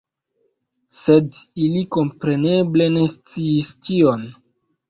Sed ili kompreneble ne sciis tion.